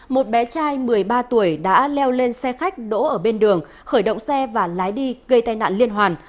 một bé trai một mươi ba tuổi đã leo lên xe khách đỗ ở bên đường khởi động xe và lái đi gây tai nạn liên hoàn